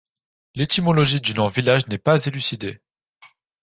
L'étymologie du nom du village n'est pas élucidée.